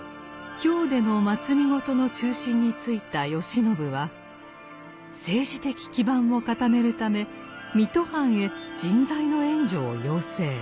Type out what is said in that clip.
京での政の中心に就いた慶喜は政治的基盤を固めるため水戸藩へ人材の援助を要請。